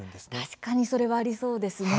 確かにそれはありそうです。